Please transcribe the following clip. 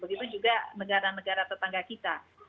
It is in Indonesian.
begitu juga negara negara tetangga kita